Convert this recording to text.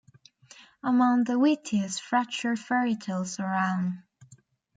Among the wittiest fractured fairytales around.